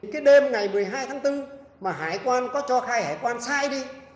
cái đêm ngày một mươi hai tháng bốn mà hải quan có cho khai hải quan sai đi